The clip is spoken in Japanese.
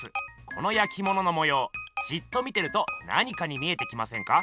このやきもののもようじっと見てると何かに見えてきませんか？